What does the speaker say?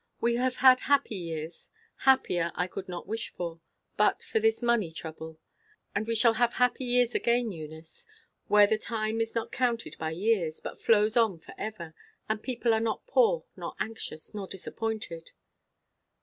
We have had happy years; happier I could not wish for, but for this money trouble. And we shall have happy years again, Eunice; where the time is not counted by years, but flows on forever, and people are not poor, nor anxious, nor disappointed."